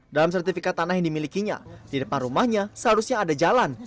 dalam sertifikat tanah yang dimilikinya di depan rumahnya seharusnya ada jalan